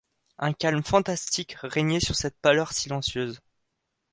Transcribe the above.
Un calme fantastique régnait sur cette pâleur silencieuse.